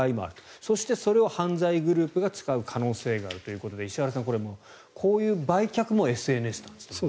そして、それが犯罪グループが使う可能性があるということで石原さん、こういう売却もＳＮＳなんですね。